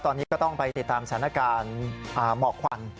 ตอนนี้ก็ต้องไปติดตามสถานการณ์หมอกควัน